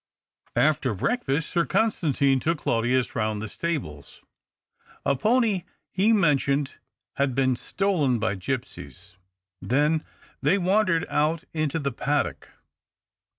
After breakfast. Sir Constantine took I Claudius round the stables. A pony, he mentioned, had been stolen by gipsies. Then I they wandered out into the paddock.